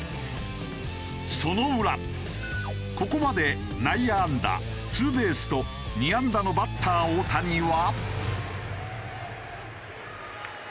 その裏ここまで内野安打ツーベースと２安打のバッター大谷は。